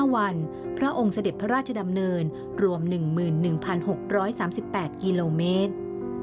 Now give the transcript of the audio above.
๕วันพระองค์เสด็จพระราชดำเนินรวม๑๑๖๓๘กิโลเมตร